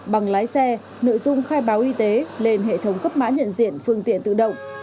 bằng lái xe nội dung khai báo y tế lên hệ thống cấp mã nhận diện phương tiện tự động